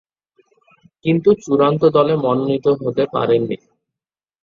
কিন্তু চূড়ান্ত দলে মনোনীত হতে পারেননি।